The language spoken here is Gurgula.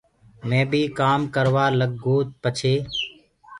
مي بيٚ ڪآم ڪروآ لگ گو پڇي